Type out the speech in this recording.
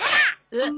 えっ？